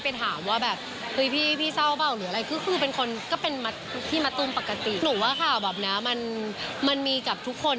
เออกาแสข่าวดราม่าเนี่ยรู้สึกยังไงบ้างนะคะ